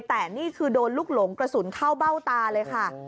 แต่นี่คือโดนลูกหลงกระสุนเข้าเบ้าตาเลยค่ะ